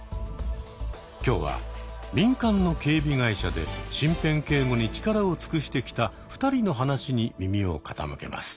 今日は民間の警備会社で身辺警護に力を尽くしてきた２人の話に耳を傾けます。